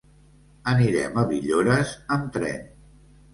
Anirem a Villores amb tren.